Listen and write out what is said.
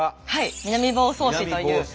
南房総市という。